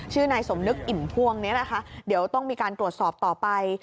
นายสมนึกอิ่มพ่วงนี้นะคะเดี๋ยวต้องมีการตรวจสอบต่อไป